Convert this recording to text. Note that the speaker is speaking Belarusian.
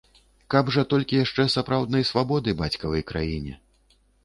Каб жа толькі яшчэ сапраўднай свабоды бацькавай краіне!